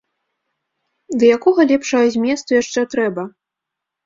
Ды якога лепшага зместу яшчэ трэба?